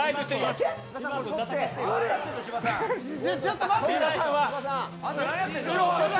ちょ、ちょっと待って！